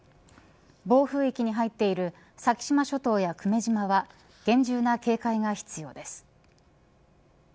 暴風域に入っている先島諸島や久米島は厳重な警戒が必要です。